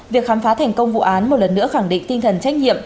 việc khám phá thành công vụ án một lần nữa khẳng định tinh thần trách nhiệm